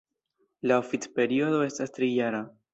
La oficperiodo estas tri-jara.